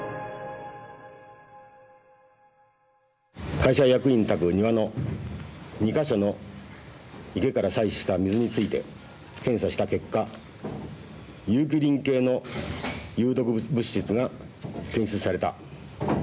・会社役員宅庭の２か所の池から採取した水について検査した結果有機リン系の有毒物質が検出された。